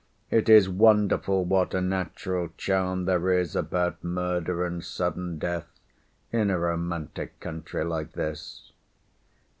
"It is wonderful what a natural charm there is about murder and sudden death in a romantic country like this.